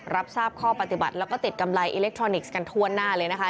รับทราบข้อปฏิบัติแล้วก็ติดกำไรอิเล็กทรอนิกส์กันทั่วหน้าเลยนะคะ